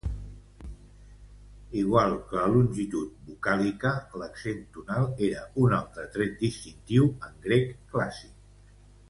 Igual que la longitud vocàlica, l'accent tonal era un altre tret distintiu en grec clàssic.